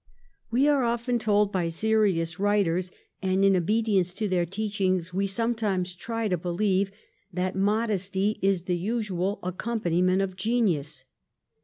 We are often told by serious writers, and in obedi ence to their teaching we sometimes try to beUeve, that modesty is the usual accompaniment of genius.